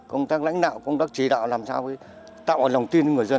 công tác lãnh đạo công tác chỉ đạo làm sao tạo lòng tin cho người dân